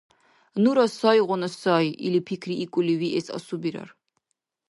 Нура сайгъуна сай или пикриикӀули виэс асубирар.